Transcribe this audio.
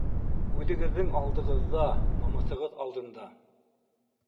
Үҙегеҙҙең алдығыҙҙа, намыҫығыҙ алдында.